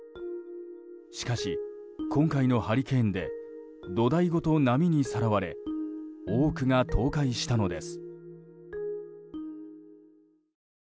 しかし今回のハリケーンで土台ごと波にさらわれ多くが倒壊したのです。